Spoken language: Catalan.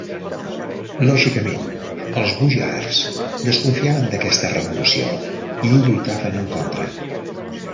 Lògicament, els boiars desconfiaven d'aquesta revolució i hi lluitaven en contra.